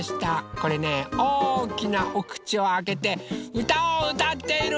これねおおきなおくちをあけてうたをうたっているうーたんです。